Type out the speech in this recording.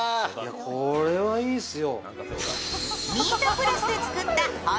これはいいッスよ。